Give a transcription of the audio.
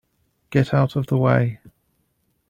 Get out of the way!